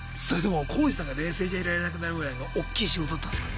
コウジさんが冷静じゃいられなくなるぐらいのおっきい仕事だったんすか？